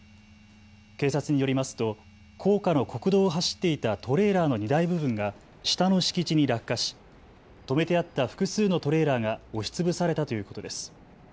警察によりますと高架の国道を走っていたトレーラーの荷台部分が下の敷地に落下し止めてあった複数のトレーラーが押しつぶされたということです。